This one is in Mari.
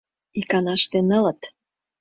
Иканаште нылыт.